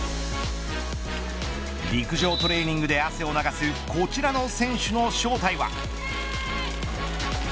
陸上トレーニングで汗を流すこちらの選手の正体は。